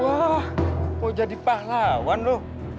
wah kok jadi pahlawan lo